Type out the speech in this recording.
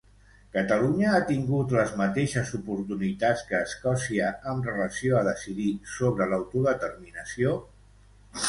Catalunya ha tingut les mateixes oportunitats que Escòcia amb relació a decidir sobre l'autodeterminació?